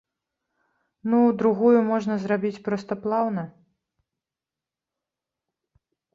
Ну, другую можна зрабіць проста плаўна.